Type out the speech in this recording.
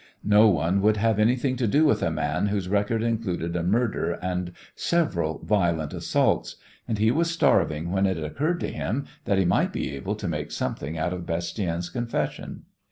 No one would have anything to do with a man whose record included a murder and several violent assaults, and he was starving when it occurred to him that he might be able to make something out of Bastien's confession.